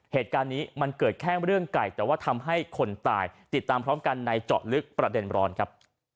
เหตุการณ์นี้มันเกิดแค่เรื่องไก่แต่ว่าทำให้คนตายติดตามพร้อมกันในเจาะลึกประเด็นร้อนครับ